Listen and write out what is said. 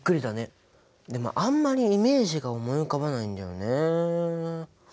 でもあんまりイメージが思い浮かばないんだよね。